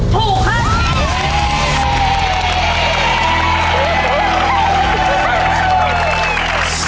ถูกครับ